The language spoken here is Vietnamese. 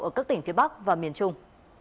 ở các tỉnh phía bắc và miền trung